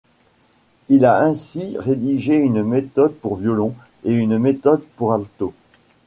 Il a ainsi rédigé une méthode pour violon et une méthode pour alto.